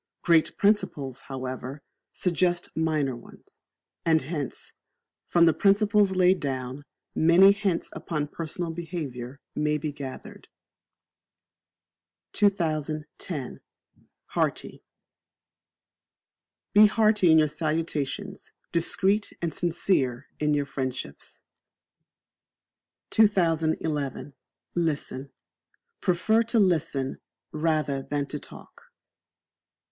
Great principles, however, suggest minor ones; and hence, from the principles laid down, many hints upon personal behaviour may be gathered. 2010. Hearty. Be Hearty in your salutations, discreet and sincere in your friendships. 2011. Listen. Prefer to Listen rather than to talk.